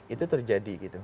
itu terjadi gitu